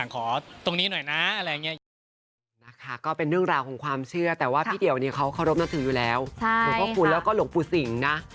ขอตรงนี้หน่อยนะอะไรอย่างนี้